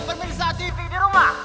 pemirsa tv di rumah